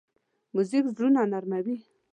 موزیک زړونه نرمه وي.